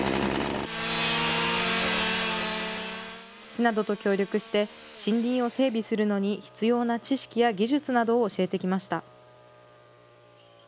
市などと協力して、森林を整備するのに必要な知識や技術などを教えてきました。